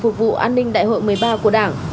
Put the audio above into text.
phục vụ an ninh đại hội một mươi ba của đảng